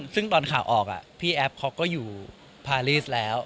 ซึ่งตอนข่าวออกพี่แอฟเขาก็อยู่พารีสแล้ว